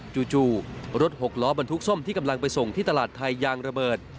จู่รถหกล้อบรรทุกส้มที่กำลังไปส่งที่ตลาดไทยยางระเบิด